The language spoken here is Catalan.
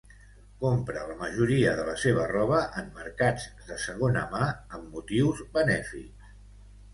Compra la majoria de la seva roba en mercats de segona mà amb motius benèfics.